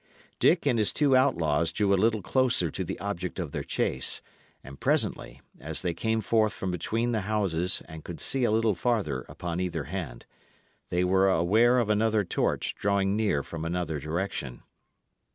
Dick and his two outlaws drew a little closer to the object of their chase, and presently, as they came forth from between the houses and could see a little farther upon either hand, they were aware of another torch drawing near from another direction.